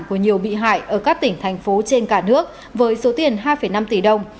của nhiều bị hại ở các tỉnh thành phố trên cả nước với số tiền hai năm tỷ đồng